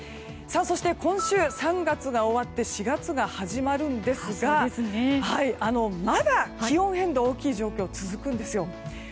そして、今週３月が終わって４月が始まるんですがまだ気温変動が大きい状況は続くんですよ。